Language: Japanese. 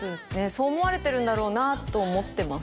そう思われてるんだろうなと思ってます